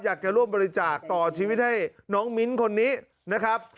อยากจะร่วมบริจาคต่อชีวิตให้น้องมิ้นคนนี้นะครับ